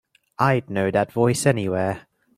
I'd know that voice anywhere.